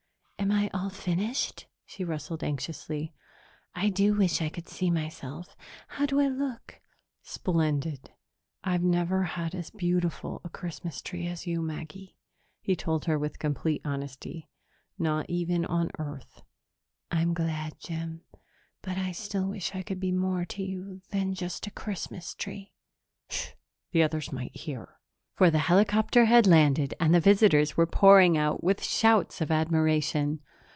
"Am I all finished?" she rustled anxiously. "I do wish I could see myself. How do I look?" "Splendid. I've never had as beautiful a Christmas tree as you, Maggie," he told her with complete honesty. "Not even on Earth." "I'm glad, Jim, but I still wish I could be more to you than just a Christmas tree." "Shh. The others might hear." For the helicopter had landed and the visitors were pouring out, with shouts of admiration.